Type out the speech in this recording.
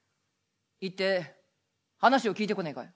「行って話を聞いてこねえかい？」。